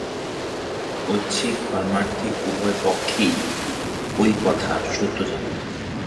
ঐহিক পারমার্থিক উভয় পক্ষেই ঐ কথা সত্য জানবি।